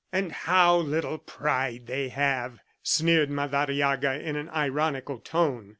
"And how little pride they have!" sneered Madariaga in an ironical tone.